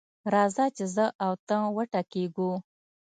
راځه چې زه او ته وټکېږو.